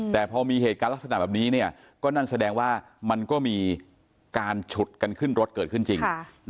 แต่พอมีเหตุการณ์ลักษณะแบบนี้ก็นั่นแสดงว่ามันก็มีการฉุดกันขึ้นรถเกิดขึ้นจริง